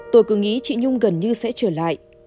tôi cứ nghĩ chị nhung gần như sẽ trở lại